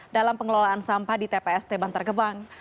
dalam pengelolaan sampah di tpst bantar gebang